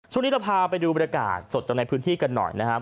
ช่วงนี้เราพาไปดูบรรยากาศสดจากในพื้นที่กันหน่อยนะครับ